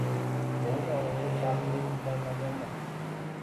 Men onangga shartli uylanmaganman.